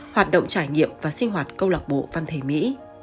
hoạt động trải nghiệm và sinh hoạt câu lạc bộ văn thể mỹ